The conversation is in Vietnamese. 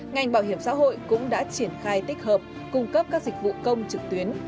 ngành bảo hiểm xã hội cũng đã triển khai tích hợp cung cấp các dịch vụ công trực tuyến